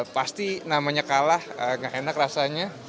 pasti namanya kalah gak enak rasanya